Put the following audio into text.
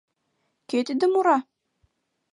— Кӧ тиде мура?